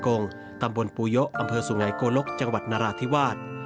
กงตำบลปูยะอำเภอสุงัยโกลกจังหวัดนราธิวาส